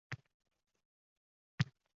— Onam ham birga ketgan…